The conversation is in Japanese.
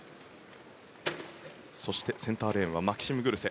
センターレーンはマキシム・グルセ。